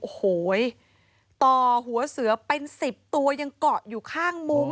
โอ้โหต่อหัวเสือเป็น๑๐ตัวยังเกาะอยู่ข้างมุม